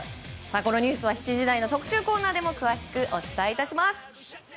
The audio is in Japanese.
このニュースは７時台の特集コーナーでも詳しくお伝えします。